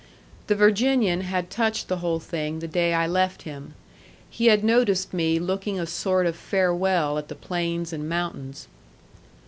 The Virginian had touched the whole thing the day I left him. He had noticed me looking a sort of farewell at the plains and mountains.